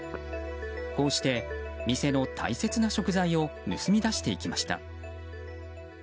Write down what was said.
こうして、店の大切な食材を盗み出していきました。